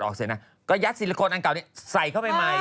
เสร็จนะก็ยัดซิลิโคนอันเก่านี้ใส่เข้าไปใหม่